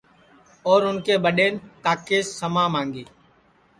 اور اُن کے ٻڈین کاکیس سما مانگی